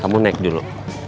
kamu naik dulu